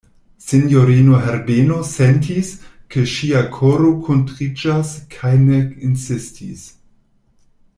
Sinjorino Herbeno sentis, ke ŝia koro kuntiriĝas, kaj ne insistis.